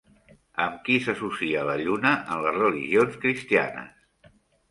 Amb qui s'associa la Lluna en les religions cristianes?